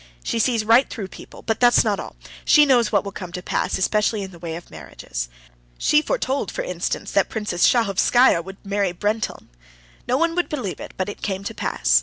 She sees right through people; but that's not all; she knows what will come to pass, especially in the way of marriages. She foretold, for instance, that Princess Shahovskaya would marry Brenteln. No one would believe it, but it came to pass.